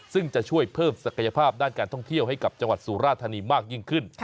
ซึ่งจะช่วยเพิ่มศักยภาพด้านการท่องเที่ยวให้กับจังหวัดสุราธานีมากยิ่งขึ้น